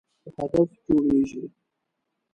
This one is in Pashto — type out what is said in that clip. په هدف جوړیږي.